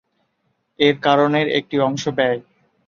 এর কারণের একটি অংশ ব্যয়।